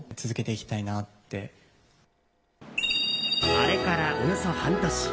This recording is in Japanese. あれからおよそ半年。